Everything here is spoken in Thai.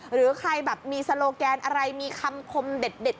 หรือใครแบบมีสโลแกนอะไรมีคำคมเด็ด